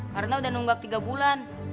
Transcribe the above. karena udah nunggak tiga bulan